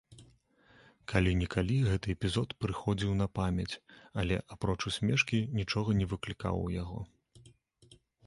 Калі-нікалі гэты эпізод прыходзіў на памяць, але, апроч усмешкі, нічога не выклікаў у яго.